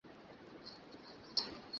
তিনি দেশাত্মবোধক গানও রচনা করেছিলেন।